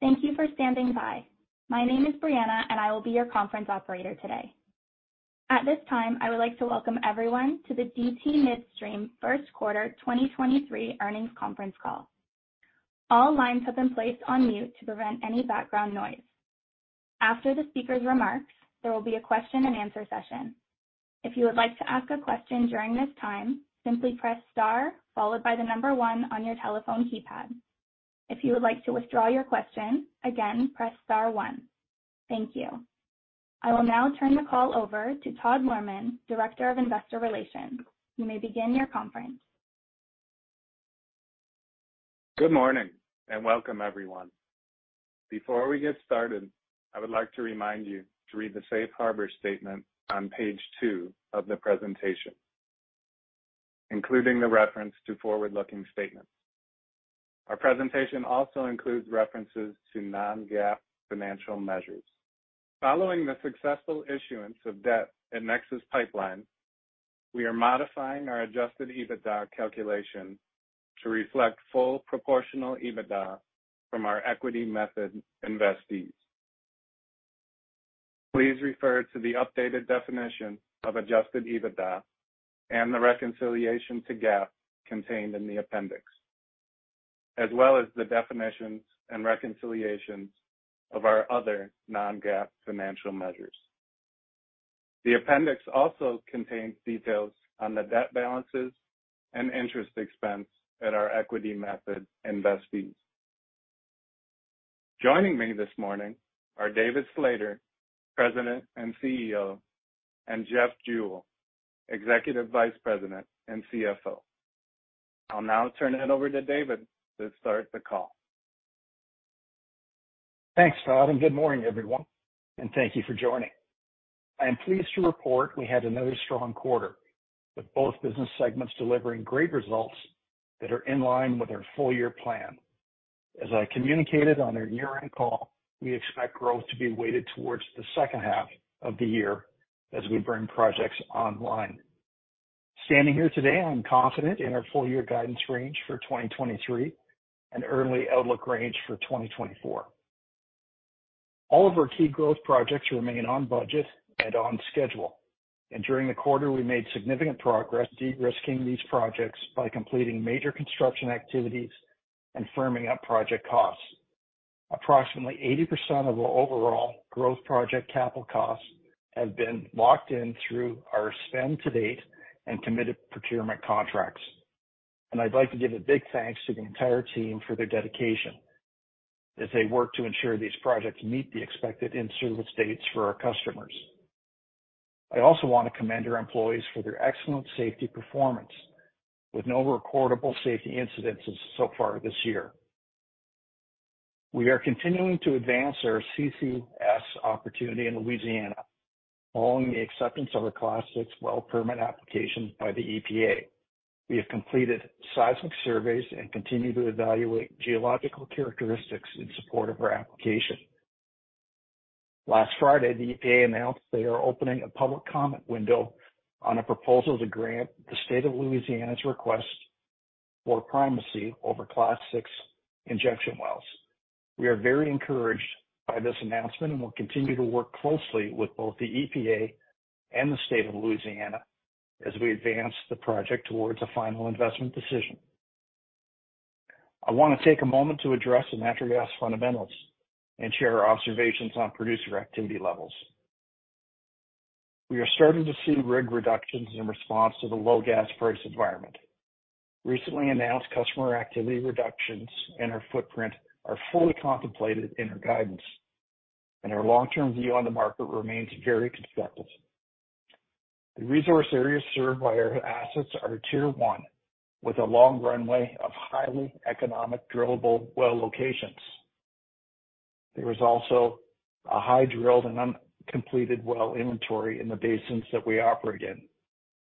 Thank you for standing by. My name is Brianna, and I will be your conference operator today. At this time, I would like to welcome everyone to the DT Midstream 1st quarter 2023 earnings conference call. All lines have been placed on mute to prevent any background noise. After the speaker's remarks, there will be a question-and-answer session. If you would like to ask a question during this time, simply press star followed by the number 1 on your telephone keypad. If you would like to withdraw your question, again, press star 1. Thank you. I will now turn the call over to Todd Lohrmann, Director of Investor Relations. You may begin your conference. Good morning and welcome, everyone. Before we get started, I would like to remind you to read the safe harbor statement on page 2 of the presentation, including the reference to forward-looking statements. Our presentation also includes references to non-GAAP financial measures. Following the successful issuance of debt at NEXUS Pipeline, we are modifying our adjusted EBITDA calculation to reflect full proportional EBITDA from our equity method investees. Please refer to the updated definition of adjusted EBITDA and the reconciliation to GAAP contained in the appendix, as well as the definitions and reconciliations of our other non-GAAP financial measures. The appendix also contains details on the debt balances and interest expense at our equity method investees. Joining me this morning are David Slater, President and CEO, and Jeff Jewell, Executive Vice President and CFO. I'll now turn it over to David to start the call. Thanks, Todd, good morning, everyone, and thank you for joining. I am pleased to report we had another strong quarter, with both business segments delivering great results that are in line with our full year plan. As I communicated on our year-end call, we expect growth to be weighted towards the second half of the year as we bring projects online. Standing here today, I'm confident in our full year guidance range for 2023 and early outlook range for 2024. All of our key growth projects remain on budget and on schedule. During the quarter, we made significant progress de-risking these projects by completing major construction activities and firming up project costs. Approximately 80% of the overall growth project capital costs have been locked in through our spend to date and committed procurement contracts. I'd like to give a big thanks to the entire team for their dedication as they work to ensure these projects meet the expected in-service dates for our customers. I also want to commend our employees for their excellent safety performance with no recordable safety incidences so far this year. We are continuing to advance our CCS opportunity in Louisiana following the acceptance of our Class VI well permit application by the EPA. We have completed seismic surveys and continue to evaluate geological characteristics in support of our application. Last Friday, the EPA announced they are opening a public comment window on a proposal to grant the state of Louisiana's request for primacy over Class VI injection wells. We are very encouraged by this announcement and will continue to work closely with both the EPA and the state of Louisiana as we advance the project towards a final investment decision. I wanna take a moment to address the natural gas fundamentals and share our observations on producer activity levels. We are starting to see rig reductions in response to the low gas price environment. Recently announced customer activity reductions in our footprint are fully contemplated in our guidance, and our long-term view on the market remains very constructive. The resource areas served by our assets are Tier 1, with a long runway of highly economic drillable well locations. There is also a high drilled and uncompleted well inventory in the basins that we operate in,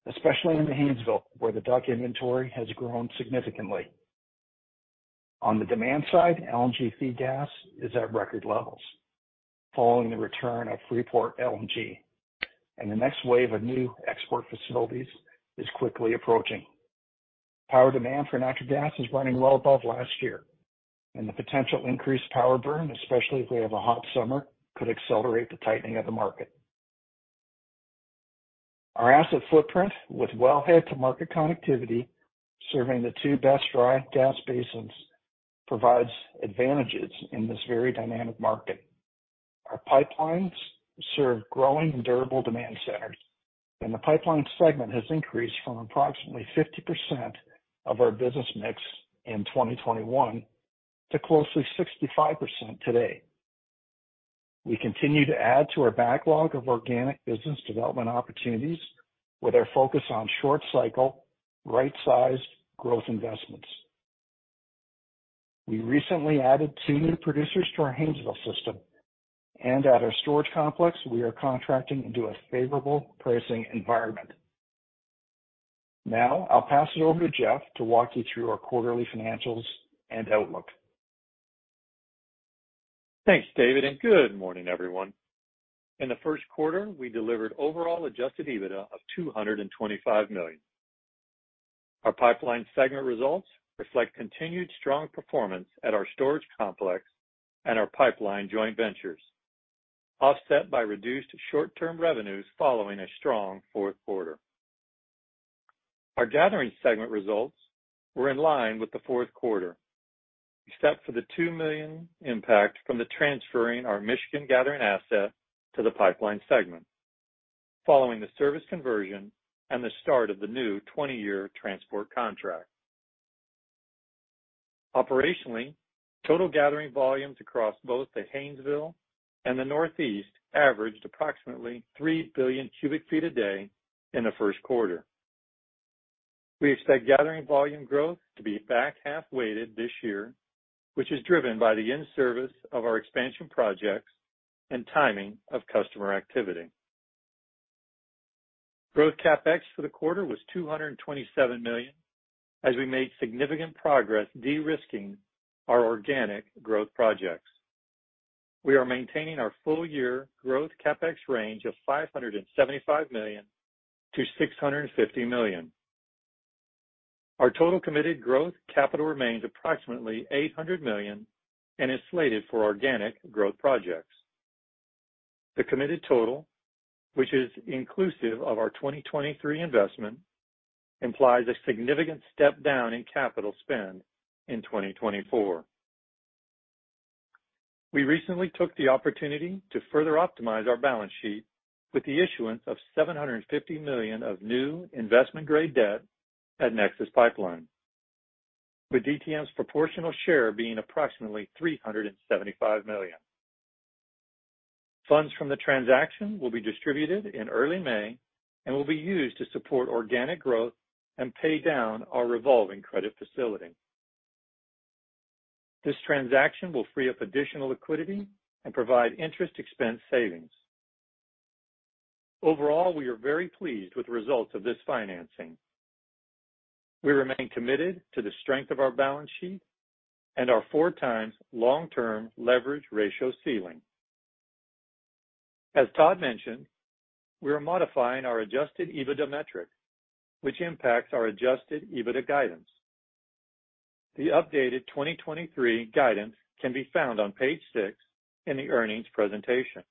especially in the Haynesville, where the DUC inventory has grown significantly. On the demand side, LNG feed gas is at record levels following the return of Freeport LNG, and the next wave of new export facilities is quickly approaching. Power demand for natural gas is running well above last year, and the potential increased power burn, especially if we have a hot summer, could accelerate the tightening of the market. Our asset footprint with wellhead-to-market connectivity serving the two best dry gas basins provides advantages in this very dynamic market. Our pipelines serve growing and durable demand centers, and the pipeline segment has increased from approximately 50% of our business mix in 2021 to closely 65% today. We continue to add to our backlog of organic business development opportunities with our focus on short cycle, right-sized growth investments. We recently added two new producers to our Haynesville system, and at our storage complex we are contracting into a favorable pricing environment. Now, I'll pass it over to Jeff to walk you through our quarterly financials and outlook. Thanks, David. Good morning everyone. In the first quarter, we delivered overall adjusted EBITDA of $225 million. Our pipeline segment results reflect continued strong performance at our storage complex and our pipeline joint ventures, offset by reduced short-term revenues following a strong fourth quarter. Our gathering segment results were in line with the fourth quarter, except for the $2 million impact from the transferring our Michigan gathering asset to the pipeline segment following the service conversion and the start of the new 20-year transport contract. Operationally, total gathering volumes across both the Haynesville and the Northeast averaged approximately 3 billion cu ft a day in the first quarter. We expect gathering volume growth to be back-half-weighted this year, which is driven by the in-service of our expansion projects and timing of customer activity. Growth CapEx for the quarter was $227 million as we made significant progress de-risking our organic growth projects. We are maintaining our full-year growth CapEx range of $575 million-$650 million. Our total committed growth capital remains approximately $800 million and is slated for organic growth projects. The committed total, which is inclusive of our 2023 investment, implies a significant step down in capital spend in 2024. We recently took the opportunity to further optimize our balance sheet with the issuance of $750 million of new investment-grade debt at NEXUS Pipeline, with DTM's proportional share being approximately $375 million. Funds from the transaction will be distributed in early May and will be used to support organic growth and pay down our revolving credit facility. This transaction will free up additional liquidity and provide interest expense savings. Overall, we are very pleased with the results of this financing. We remain committed to the strength of our balance sheet and our four times long-term leverage ratio ceiling. As Todd mentioned, we are modifying our adjusted EBITDA metric, which impacts our adjusted EBITDA guidance. The updated 2023 guidance can be found on page six in the earnings presentation.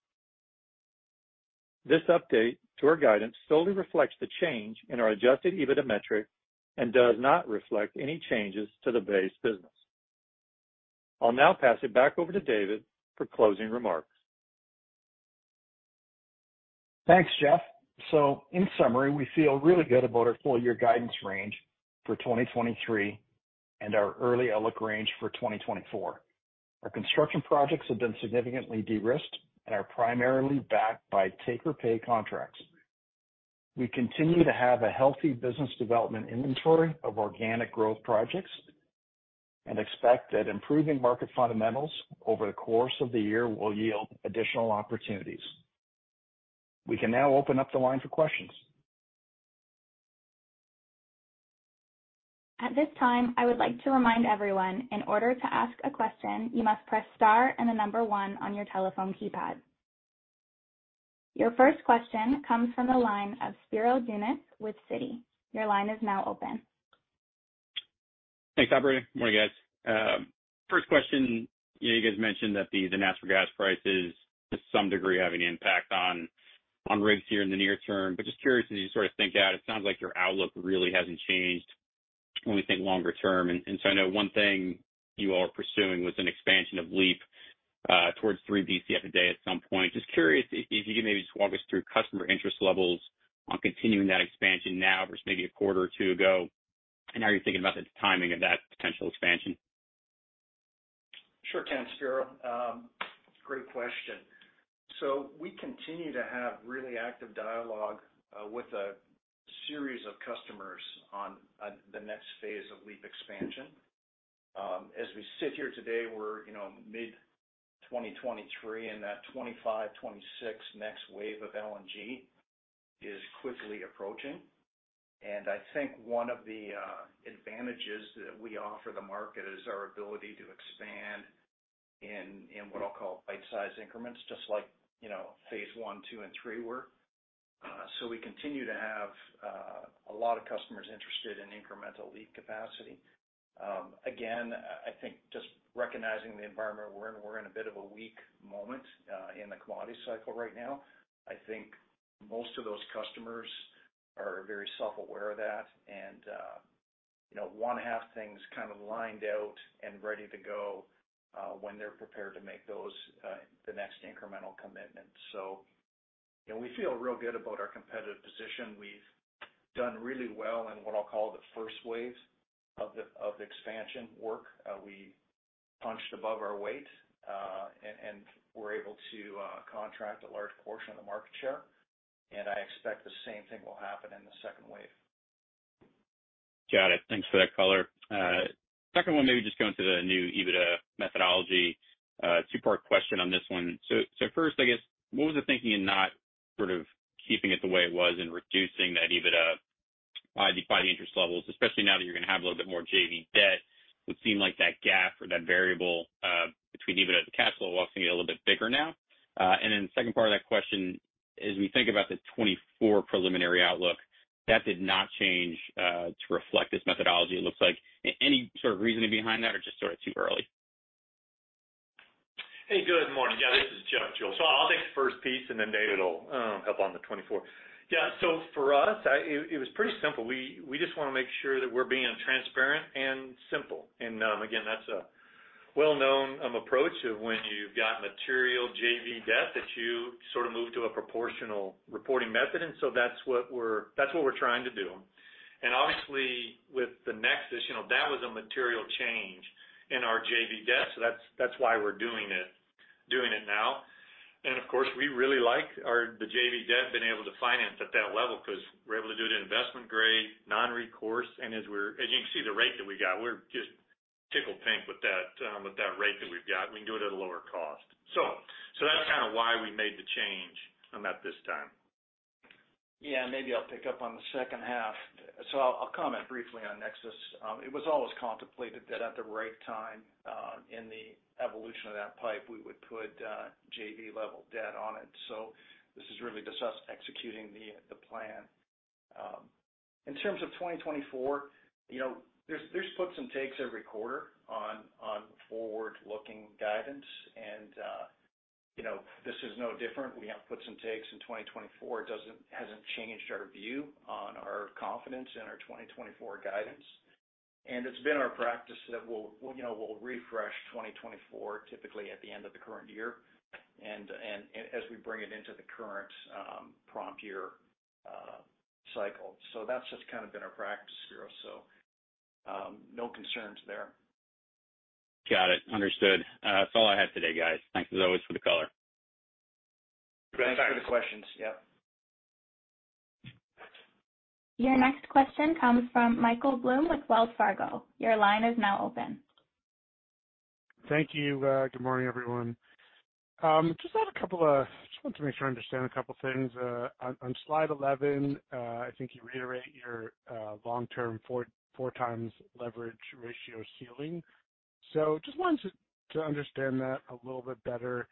This update to our guidance solely reflects the change in our adjusted EBITDA metric and does not reflect any changes to the base business. I'll now pass it back over to David for closing remarks. Thanks, Jeff. In summary, we feel really good about our full-year guidance range for 2023 and our early outlook range for 2024. Our construction projects have been significantly de-risked and are primarily backed by take-or-pay contracts. We continue to have a healthy business development inventory of organic growth projects and expect that improving market fundamentals over the course of the year will yield additional opportunities. We can now open up the line for questions. At this time, I would like to remind everyone in order to ask a question, you must press star and the number one on your telephone keypad. Your first question comes from the line of Spiro Dounis with Citi. Your line is now open. Thanks, operator. Morning, guys. First question. You know, you guys mentioned that the natural gas prices to some degree have an impact on rigs here in the near term. Just curious, as you sort of think out, it sounds like your outlook really hasn't changed when we think longer term. I know one thing you all are pursuing was an expansion of LEAP towards 3 Bcf a day at some point. Just curious if you could maybe just walk us through customer interest levels on continuing that expansion now versus maybe a quarter or two ago, and how you're thinking about the timing of that potential expansion. Sure can, Spiro. Great question. We continue to have really active dialogue with a series of customers on the next phase of LEAP expansion. As we sit here today, we're, you know, mid-2023, and that 2025, 2026 next wave of LNG is quickly approaching. I think one of the advantages that we offer the market is our ability to expand in what I'll call bite-sized increments, just like, you know, phase one, two, and three were. We continue to have a lot of customers interested in incremental LEAP capacity. Again, I think just recognizing the environment we're in, we're in a bit of a weak moment in the commodity cycle right now. I think most of those customers are very self-aware of that and, you know, wanna have things kind of lined out and ready to go when they're prepared to make those the next incremental commitment. You know, we feel real good about our competitive position. We've done really well in what I'll call the first wave of the expansion work. We punched above our weight, and were able to contract a large portion of the market share, and I expect the same thing will happen in the second wave. Got it. Thanks for that color. Second one, maybe just going to the new EBITDA methodology. Two-part question on this one. First, I guess, what was the thinking in not sort of keeping it the way it was and reducing that EBITDA? By the interest levels, especially now that you're gonna have a little bit more JV debt, would seem like that gap or that variable, between EBITDA to cash flow will also get a little bit bigger now. Then the second part of that question, as we think about the 2024 preliminary outlook, that did not change, to reflect this methodology it looks like. Any sort of reasoning behind that or just sort of too early? Hey, good morning. Yeah, this is Jeff Jewell. I'll take the first piece, and then Dave will hop on the 24. Yeah. For us, it was pretty simple. We just wanna make sure that we're being transparent and simple. Again, that's a well-known approach of when you've got material JV debt that you sort of move to a proportional reporting method. That's what we're trying to do. Obviously, with the NEXUS, you know, that was a material change in our JV debt, that's why we're doing it now. Of course, we really like the JV debt, being able to finance at that level because we're able to do it investment grade, non-recourse. As you can see the rate that we got, we're just tickled pink with that, with that rate that we've got. We can do it at a lower cost. That's kind of why we made the change at this time. Yeah, maybe I'll pick up on the second half. I'll comment briefly on NEXUS. It was always contemplated that at the right time, in the evolution of that pipe, we would put JV level debt on it. In terms of 2024, you know, there's puts and takes every quarter on forward-looking guidance and, you know, this is no different. We have puts and takes in 2024. It hasn't changed our view on our confidence in our 2024 guidance. It's been our practice that we'll, you know, we'll refresh 2024 typically at the end of the current year and as we bring it into the current prompt year cycle. That's just kind of been our practice here. No concerns there. Got it. Understood. That's all I had today, guys. Thanks as always for the color. Great. Thanks for the questions. Yep. Your next question comes from Michael Blum with Wells Fargo. Your line is now open. Thank you. Good morning, everyone. Just wanted to make sure I understand a couple things. On slide 11, I think you reiterate your long-term 4x leverage ratio ceiling. Just wanted to understand that a little bit better.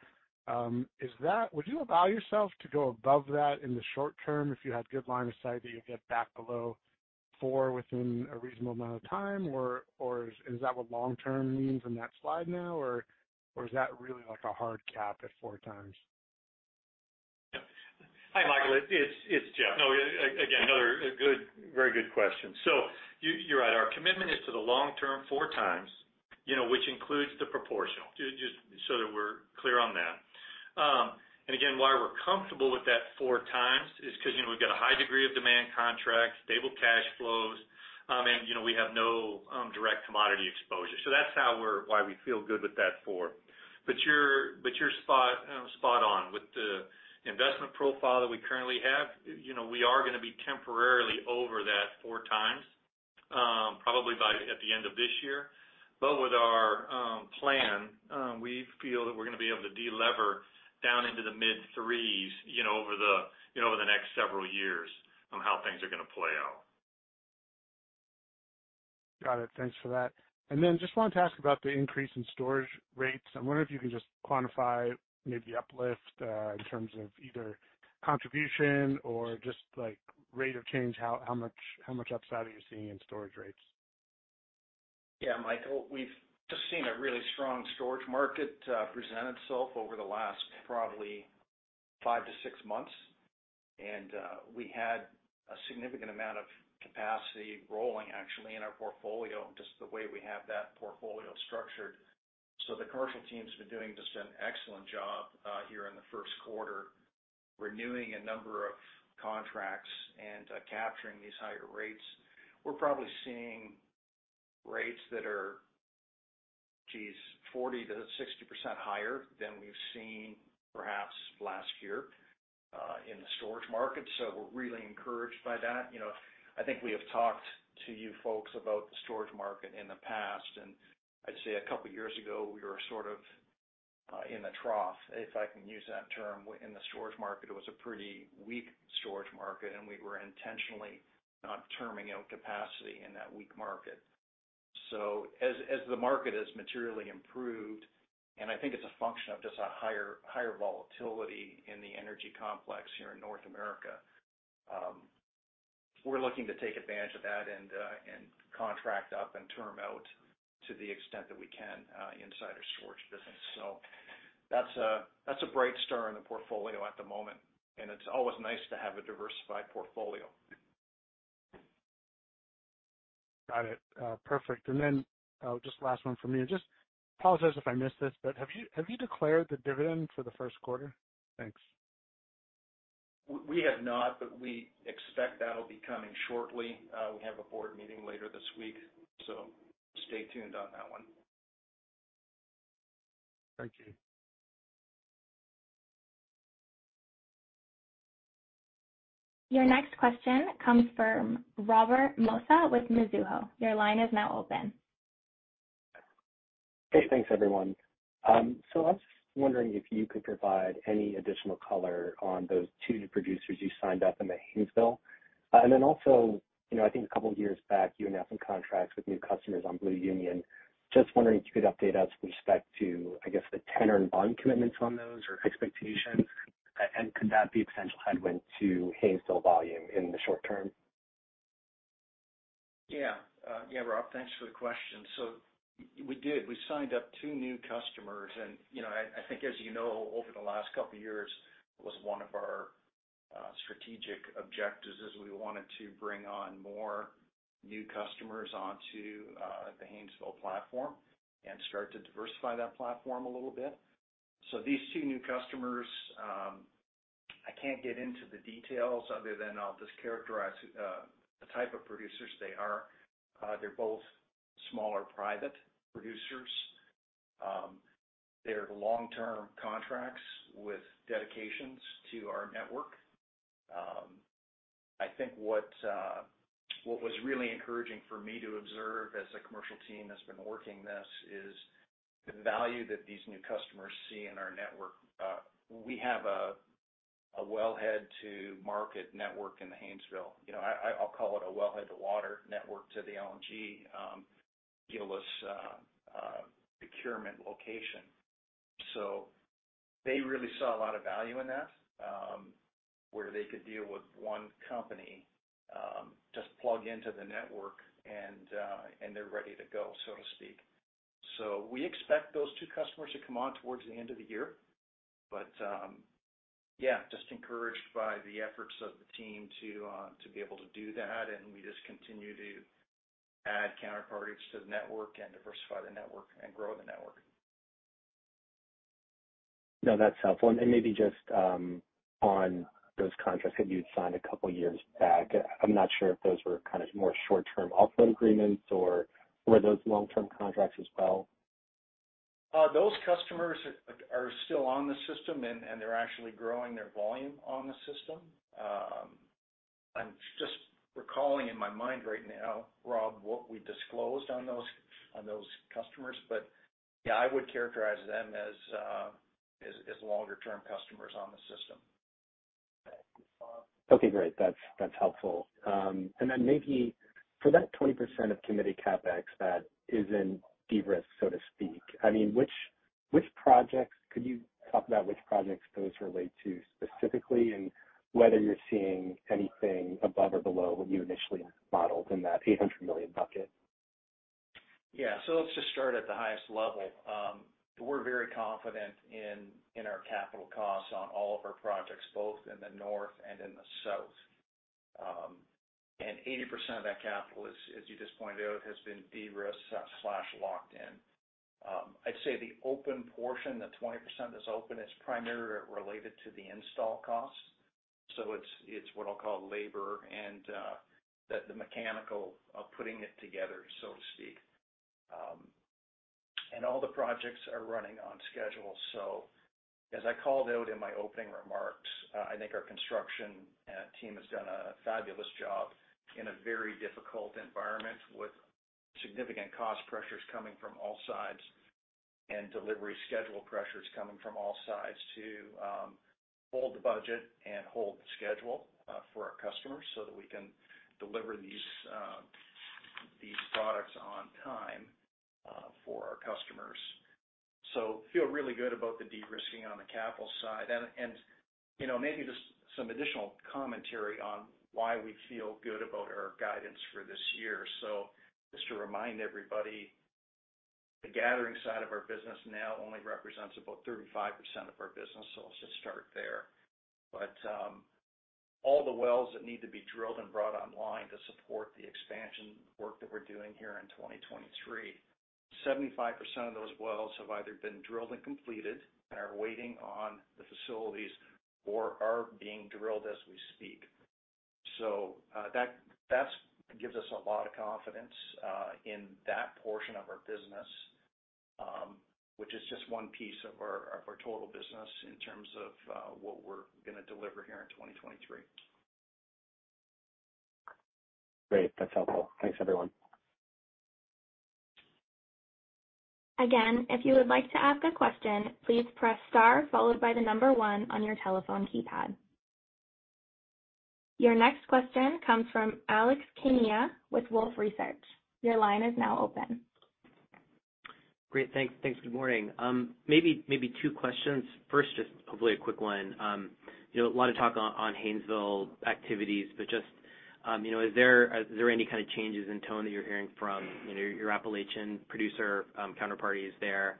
Would you allow yourself to go above that in the short term if you had good line of sight that you'd get back below 4 within a reasonable amount of time? Or is that what long term means on that slide now? Or is that really like a hard cap at 4x? Hi, Michael. It's Jeff. No, again, another good, very good question. You, you're right. Our commitment is to the long-term 4x, you know, which includes the proportional. Just so that we're clear on that. And again, why we're comfortable with that 4x is 'cause, you know, we've got a high degree of demand contracts, stable cash flows, and you know, we have no direct commodity exposure. That's why we feel good with that 4. You're spot on. With the investment profile that we currently have, you know, we are gonna be temporarily over that 4x, probably by at the end of this year. With our plan, we feel that we're gonna be able to de-lever down into the mid-3s, you know, over the, you know, over the next several years on how things are gonna play out. Got it. Thanks for that. Then just wanted to ask about the increase in storage rates. I wonder if you can just quantify maybe uplift, in terms of either contribution or just like rate of change, how much upside are you seeing in storage rates. Yeah, Michael, we've just seen a really strong storage market, present itself over the last probably 5-6 months. We had a significant amount of capacity rolling actually in our portfolio, just the way we have that portfolio structured. The commercial team's been doing just an excellent job, here in the first quarter, renewing a number of contracts and capturing these higher rates. We're probably seeing rates that are, geez, 40%-60% higher than we've seen perhaps last year, in the storage market. We're really encouraged by that. You know, I think we have talked to you folks about the storage market in the past, and I'd say a couple of years ago, we were sort of, in the trough, if I can use that term. In the storage market, it was a pretty weak storage market, and we were intentionally not terming out capacity in that weak market. As the market has materially improved, and I think it's a function of just a higher volatility in the energy complex here in North America, we're looking to take advantage of that and contract up and term out to the extent that we can inside our storage business. That's a bright star in the portfolio at the moment, and it's always nice to have a diversified portfolio. Got it. perfect. Just last one for me. I just apologize if I missed this, but have you declared the dividend for the first quarter? Thanks. We have not, but we expect that'll be coming shortly. We have a board meeting later this week, so stay tuned on that one. Thank you. Your next question comes from Robert Mosca with Mizuho. Your line is now open. Thanks, everyone. I was wondering if you could provide any additional color on those two new producers you signed up in the Haynesville. Also, you know, I think a couple years back, you announced some contracts with new customers on Blue Union. Just wondering if you could update us with respect to, I guess, the tenor and bond commitments on those or expectations. Could that be a potential headwind to Haynesville volume in the short term? Yeah. Yeah, Rob, thanks for the question. We did. We signed up two new customers. You know, I think as you know, over the last couple years, it was one of our strategic objectives, is we wanted to bring on more new customers onto the Haynesville platform and start to diversify that platform a little bit. These new customers, I can't get into the details other than I'll just characterize the type of producers they are. They're both smaller private producers. They're long-term contracts with dedications to our network. I think what was really encouraging for me to observe as the commercial team that's been working this is the value that these new customers see in our network. We have a wellhead to market network in the Haynesville. You know, I'll call it a wellhead to water network to the LNG Gillis procurement location. They really saw a lot of value in that, where they could deal with one company, just plug into the network and they're ready to go, so to speak. We expect those two customers to come on towards the end of the year. Yeah, just encouraged by the efforts of the team to be able to do that, and we just continue to add counterparties to the network and diversify the network and grow the network. No, that's helpful. Maybe just on those contracts that you'd signed a couple years back. I'm not sure if those were kind of more short-term offload agreements, or were those long-term contracts as well? Those customers are still on the system and they're actually growing their volume on the system. I'm just recalling in my mind right now, Rob, what we disclosed on those, on those customers. Yeah, I would characterize them as longer term customers on the system. Okay, great. That's, that's helpful. Then maybe for that 20% of committed CapEx that is in de-risk, so to speak, I mean, which projects, could you talk about which projects those relate to specifically, and whether you're seeing anything above or below what you initially modeled in that $800 million bucket? Yeah. Let's just start at the highest level. We're very confident in our capital costs on all of our projects, both in the north and in the south. 80% of that capital, as you just pointed out, has been de-risked slash/locked in. I'd say the open portion, the 20% that's open is primarily related to the install costs. It's what I'll call labor and the mechanical of putting it together, so to speak. All the projects are running on schedule. As I called out in my opening remarks, I think our construction team has done a fabulous job in a very difficult environment with significant cost pressures coming from all sides and delivery schedule pressures coming from all sides to hold the budget and hold the schedule for our customers so that we can deliver these products on time for our customers. Feel really good about the de-risking on the capital side. You know, maybe just some additional commentary on why we feel good about our guidance for this year. Just to remind everybody, the gathering side of our business now only represents about 35% of our business, I'll just start there. All the wells that need to be drilled and brought online to support the expansion work that we're doing here in 2023, 75% of those wells have either been drilled and completed and are waiting on the facilities or are being drilled as we speak. That gives us a lot of confidence in that portion of our business, which is just one piece of our, of our total business in terms of what we're gonna deliver here in 2023. Great. That's helpful. Thanks, everyone. Again, if you would like to ask a question, please press star followed by one on your telephone keypad. Your next question comes from Alex Kania with Wolfe Research. Your line is now open. Great. Thanks. Good morning. Maybe two questions. First, just probably a quick one. You know, a lot of talk on Haynesville activities, but just, you know, is there any kind of changes in tone that you're hearing from, you know, your Appalachian producer counterparties there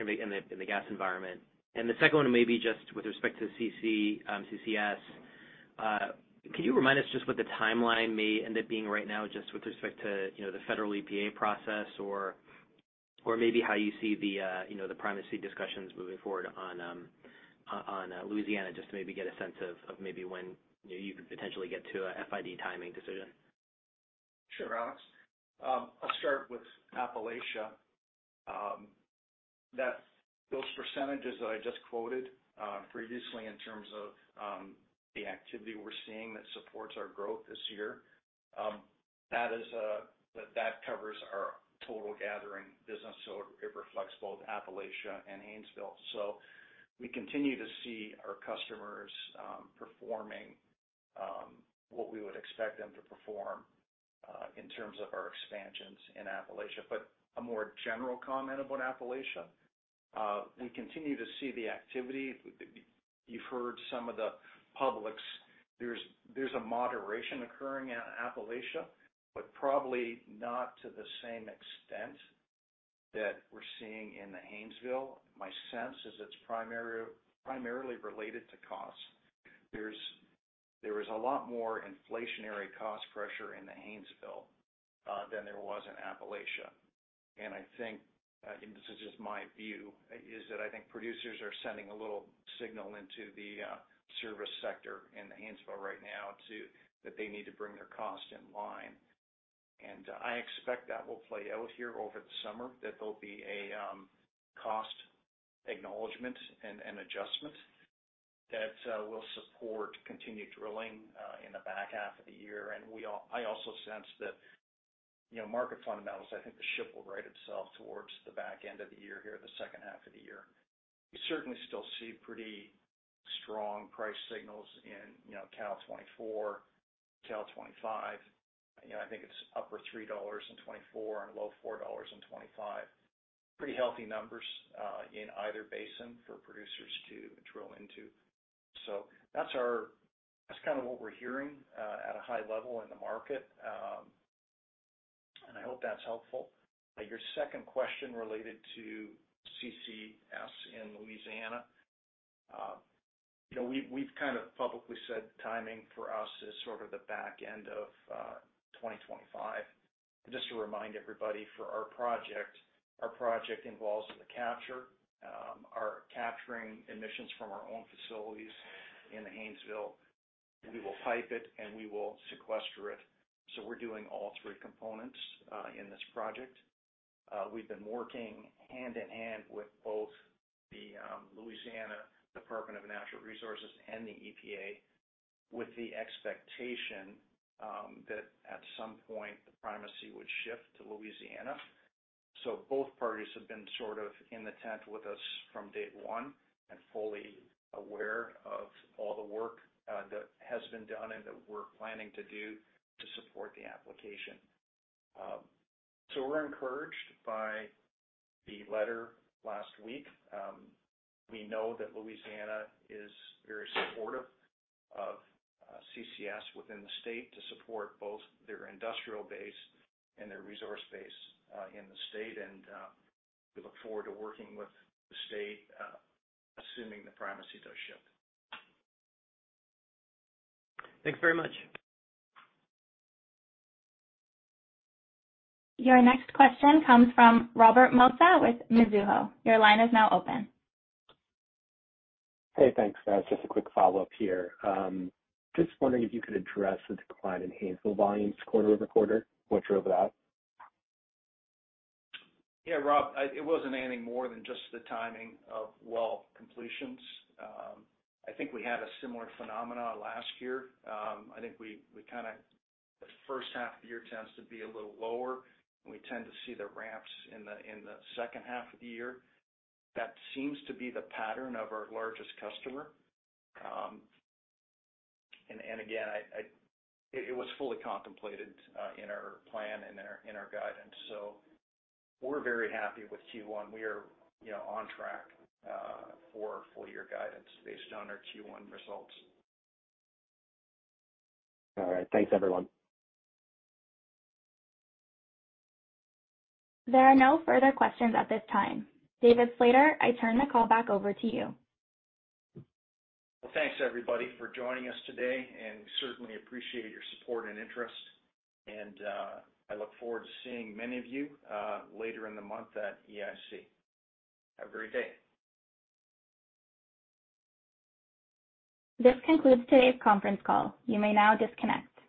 in the gas environment? The second one maybe just with respect to CCS. Can you remind us just what the timeline may end up being right now just with respect to, you know, the federal EPA process or maybe how you see the, you know, the primacy discussions moving forward on Louisiana, just to maybe get a sense of when, you know, you could potentially get to a FID timing decision? Sure, Alex. I'll start with Appalachia. Those percentages that I just quoted previously in terms of the activity we're seeing that supports our growth this year, that covers our total gathering business. It reflects both Appalachia and Haynesville. We continue to see our customers performing what we would expect them to perform in terms of our expansions in Appalachia. A more general comment about Appalachia, we continue to see the activity. You've heard some of the public's. There's a moderation occurring in Appalachia, but probably not to the same extent that we're seeing in the Haynesville. My sense is it's primarily related to cost. There is a lot more inflationary cost pressure in the Haynesville than there was in Appalachia. I think, and this is just my view, is that I think producers are sending a little signal into the service sector in Haynesville right now that they need to bring their costs in line. I expect that will play out here over the summer, that there'll be a cost acknowledgement and adjustment that will support continued drilling in the back half of the year. I also sense that, you know, market fundamentals, I think the ship will right itself towards the back end of the year here, the second half of the year. We certainly still see pretty strong price signals in, you know, Cal 2024, Cal 2025. You know, I think it's upper $3 in 2024 and low $4 in 2025. Pretty healthy numbers in either basin for producers to drill into. That's kind of what we're hearing at a high level in the market. I hope that's helpful. Your second question related to CCS in Louisiana. You know, we've kind of publicly said timing for us is sort of the back end of 2025. Just to remind everybody, for our project, our project involves the capture, our capturing emissions from our own facilities in the Haynesville. We will pipe it, and we will sequester it. We're doing all three components in this project. We've been working hand-in-hand with both the Louisiana Department of Natural Resources and the EPA with the expectation that at some point the primacy would shift to Louisiana. Both parties have been sort of in the tent with us from day one and fully aware of all the work that has been done and that we're planning to do to support the application. We're encouraged by the letter last week. We know that Louisiana is very supportive of CCS within the state to support both their industrial base and their resource base in the state. We look forward to working with the state assuming the primacy does shift. Thanks very much. Your next question comes from Robert Mosca with Mizuho. Your line is now open. Hey, thanks. Just a quick follow-up here. Just wondering if you could address the decline in Haynesville volumes quarter-over-quarter. What drove that? Yeah, Rob, It wasn't anything more than just the timing of well completions. I think we had a similar phenomena last year. I think we kind of The first half of the year tends to be a little lower, and we tend to see the ramps in the second half of the year. That seems to be the pattern of our largest customer. Again, I It was fully contemplated in our plan and in our guidance. We're very happy with Q1. We are, you know, on track for full year guidance based on our Q1 results. All right. Thanks, everyone. There are no further questions at this time. David Slater, I turn the call back over to you. Well, thanks, everybody, for joining us today, and we certainly appreciate your support and interest. I look forward to seeing many of you later in the month at EIC. Have a great day. This concludes today's conference call. You may now disconnect.